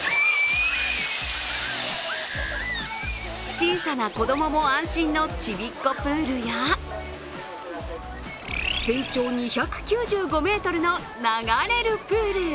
小さな子どもも安心のちびっこプールや全長２９５ｍの流れるプール。